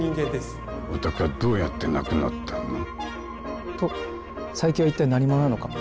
お宅はどうやって亡くなったの？と佐伯は一体何者なのか。